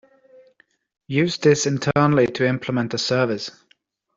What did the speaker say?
Use this internally to implement a service.